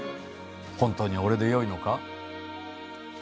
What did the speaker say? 本当に俺でよいのか？